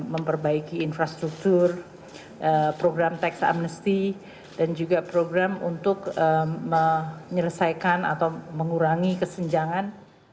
memperbaiki infrastruktur program tax amnesty dan juga program untuk menyelesaikan atau mengurangi kesenjangan